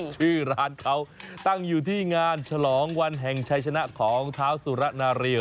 ชื่อร้านเขาตั้งอยู่ที่งานฉลองวันแห่งชัยชนะของเท้าสุระนาเรียว